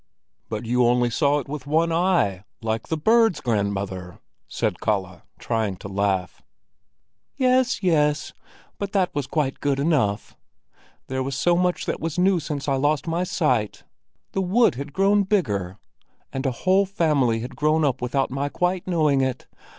"But you only saw it with one eye, like the birds, grandmother," said Kalle, trying to laugh. "Yes, yes, but that was quite good enough; there was so much that was new since I lost my sight. The wood had grown bigger, and a whole family had grown up without my quite knowing it.